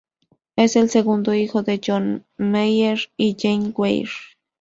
Es el segundo hijo de John Meier y Jane Weir.